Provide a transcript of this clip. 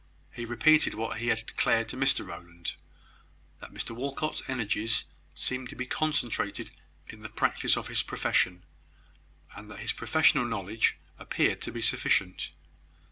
He repeated what he had declared to Mr Rowland that Mr Walcot's energies seemed to be concentrated in the practice of his profession, and that his professional knowledge appeared to be sufficient.